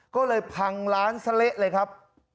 ก็เลยพังร้านซะเละเลยครับ